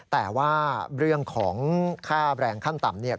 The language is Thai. แต่ว่าเรื่องของค่าแรงขั้นต่ำเนี่ย